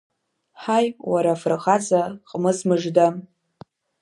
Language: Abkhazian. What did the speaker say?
Ҳаи уара афырхаҵа, Ҟмыз мыжда!